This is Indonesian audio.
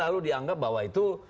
lalu dianggap bahwa itu